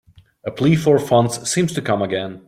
A plea for funds seems to come again.